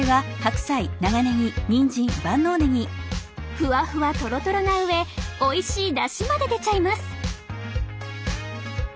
ふわふわとろとろな上おいしいだしまで出ちゃいます！